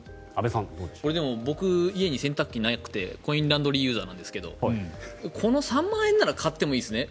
僕、家に洗濯機なくてコインランドリーユーザーなんですけどこの３万円なら買ってもいいですね。